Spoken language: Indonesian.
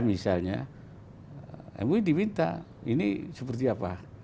misalnya mui diminta ini seperti apa